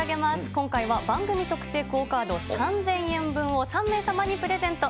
今回は番組特製ＱＵＯカード３０００円分を３名様にプレゼント。